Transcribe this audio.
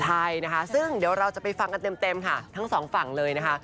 ใช่นะคะซึ่งเดี๋ยวเราจะไปฟังกันเต็มค่ะทั้งสองฝั่งเลยนะคะ